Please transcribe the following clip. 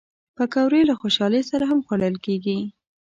پکورې له خوشحالۍ سره هم خوړل کېږي